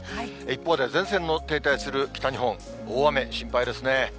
一方で、前線の停滞する北日本、大雨心配ですね。